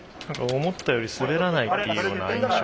思ったより滑らないっていうような印象。